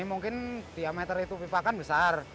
mungkin diameter itu pipa kan besar